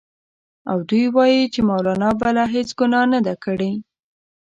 او دوی وايي چې مولنا بله هېڅ ګناه نه ده کړې.